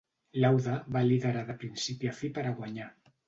Lauda va liderar de principi a fi per a guanyar.